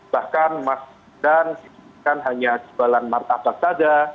bahkan mas bram hanya jualan martabak tada